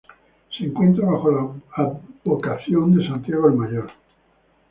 Se encuentra bajo la advocación de Santiago el Mayor.